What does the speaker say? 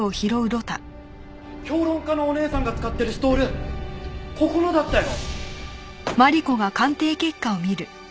評論家のお姉さんが使ってるストールここのだったよ！